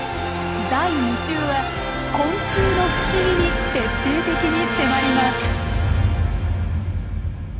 第２集は昆虫の不思議に徹底的に迫ります。